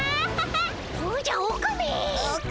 おじゃオカメ！